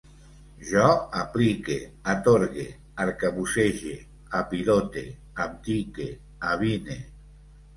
Jo aplique, atorgue, arcabussege, apilote, abdique, avine